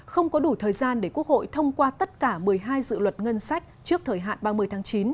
không có đủ thời gian để quốc hội thông qua tất cả một mươi hai dự luật ngân sách trước thời hạn ba mươi tháng chín